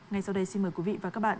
ngay sau đây xin mời quý vị và các bạn